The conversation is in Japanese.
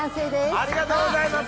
ありがとうございます。